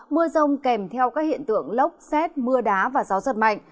mưa rông kèm theo các hiện tượng lốc xét mưa đá và gió giật mạnh